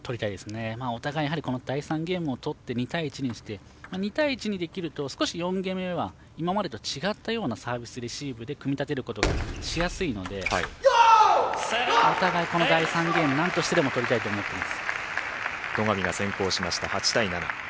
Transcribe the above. お互い第３ゲームを取って２対１にして、２対１にできると少し４ゲーム目は今までと違ったようなサービスレシーブで組み立てることがしやすいのでお互い、この第３ゲームはなんとしてでも取りたいと思ってます。